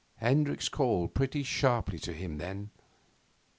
Hendricks called pretty sharply to him then.